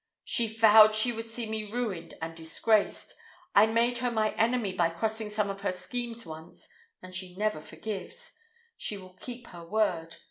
"She vowed she would see me ruined and disgraced. I made her my enemy by crossing some of her schemes once, and she never forgives. She will keep her word.